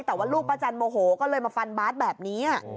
แต่ว่าลูกป้าจันโมโหก็เลยมาฟันบาทแบบนี้